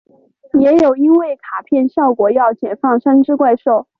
也有因为卡片效果要解放三只怪兽。